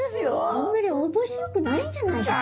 あんまり面白くないんじゃないですか？